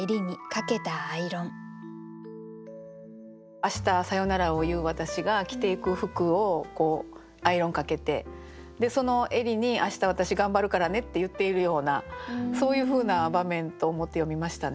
明日さよならを言う私が着ていく服をアイロンかけてその襟に「明日私頑張るからね」って言っているようなそういうふうな場面と思って読みましたね。